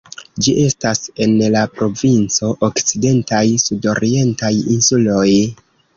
Ĝi estas en la provinco Okcidentaj sudorientaj insuloj.